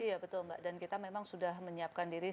iya betul mbak dan kita memang sudah menyiapkan diri